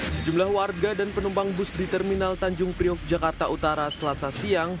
sejumlah warga dan penumpang bus di terminal tanjung priok jakarta utara selasa siang